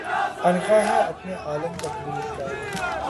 عنقا ہے اپنے عالَمِ تقریر کا